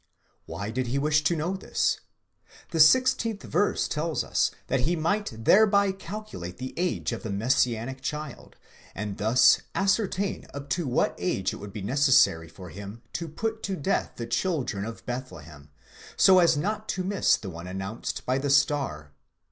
Why did he wish to know this®? 'The 16th verse tells us, that he might thereby calculate the age of the Messianic child, and thus ascertain up to what age it would be necessary for him to put to death the children of Bethlehem, so as not to miss the one announced by the star.